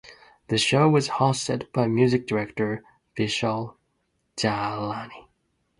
The show was hosted by music director Vishal Dadlani.